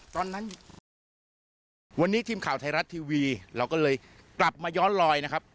ตอนนั้นวันนี้ทีมข่าวไทยรัฐทีวีเราก็เลยกลับมาย้อนลอยนะครับ